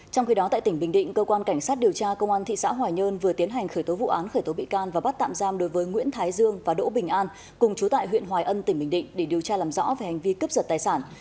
trong khi đó tại tỉnh bình định cơ quan cảnh sát điều tra công an thị xã hòa nhơn vừa tiến hành khởi tố vụ án khởi tố bị can và bắt tạm giam đối với nguyễn thái dương và đỗ bình an cùng chú tại huyện hòa ân tỉnh bình định để điều tra làm rõ về hành vi cướp giật tài sản